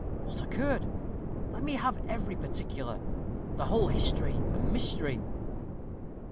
What occurred? Let me have every particular. The whole history and mystery."